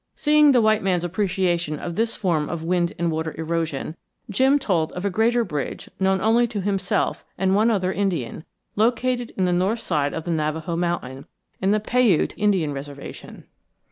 Seeing the white man's appreciation of this form of wind and water erosion, Jim told of a greater bridge known only to himself and one other Indian, located on the north side of the Navajo Mountain, in the Paiute Indian reservation.